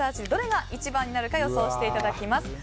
どれが一番になるか予想していただきます。